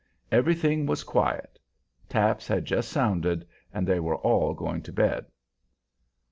Everything was quiet; "taps" had just sounded and they were all going to bed.